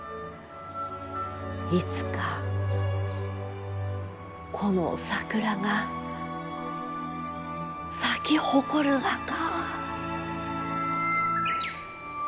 いつかこの桜が咲き誇るがか。